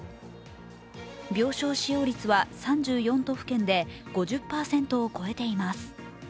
病床使用率は３４都府県で５０％を超えています。